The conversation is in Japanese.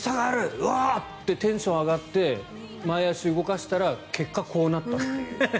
うおー！ってテンションが上がって前足を動かしたら結果、こうなったという。